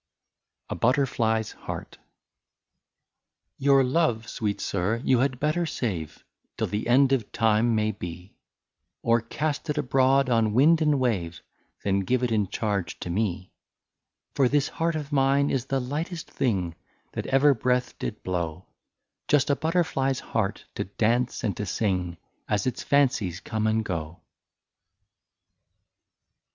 38 A BUTTERFLY HEART. " Your love, sweet sir, you had better save, Till the end of time may be, Or cast it abroad on wind and wave. Than give it in charge to me. For this heart of mine is the lightest thing. That ever breath did blow, Just a butterfly's heart to dance and to sing, As its fancies come and go."